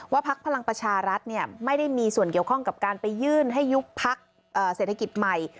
พักพลังประชารัฐไม่ได้มีส่วนเกี่ยวข้องกับการไปยื่นให้ยุบพักเศรษฐกิจใหม่